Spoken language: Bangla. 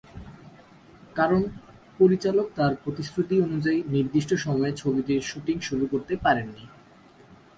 কারণ, পরিচালক তাঁর প্রতিশ্রুতি অনুযায়ী নির্দিষ্ট সময়ে ছবিটির শুটিং শুরু করতে পারেননি।